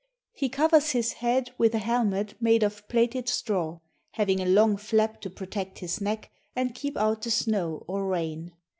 He covers his head with a helmet made of plaited straw, having a long flap to protect his neck, and keep out the snow or rain.